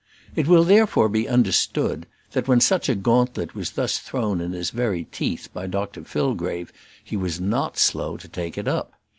It will therefore be understood, that when such a gauntlet was thus thrown in his very teeth by Dr Fillgrave, he was not slow to take it up.